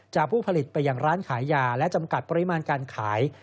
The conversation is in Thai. ผู้ผลิตไปอย่างร้านขายยาและจำกัดปริมาณการขาย